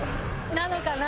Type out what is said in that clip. なのかな？